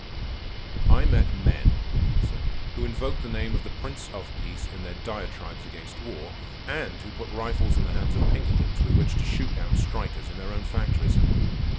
"I met men," he said, "who invoked the name of the Prince of Peace in their diatribes against war, and who put rifles in the hands of Pinkertons with which to shoot down strikers in their own factories.